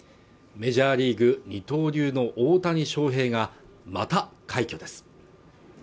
メジャーリーグ二刀流の大谷翔平がまた快挙です